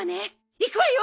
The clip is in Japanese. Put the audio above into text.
いくわよ！